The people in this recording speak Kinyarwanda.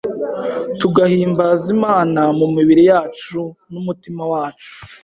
tugahimbaza Imana mu mibiri yacu n’umutima wacu,